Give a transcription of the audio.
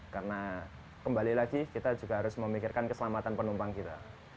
karena kembali lagi kita juga harus memikirkan keselamatan penumpang kita